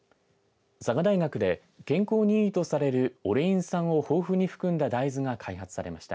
佐賀大学で健康にいいとされるオレイン酸を豊富に含んだ大豆が開発されました。